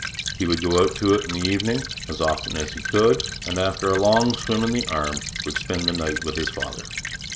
He would go out to it in the evening, as often as he could, and after a long swim in the Arm would spend the night with his father.